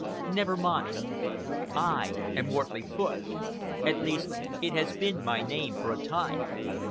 Never mind. I am Wortley Foote. At least it has been my name for a time."